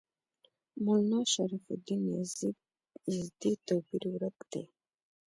مولنا شرف الدین یزدي توپیر ورک دی.